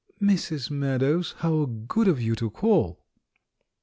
"Mrs. Meadows — how good of you to call!"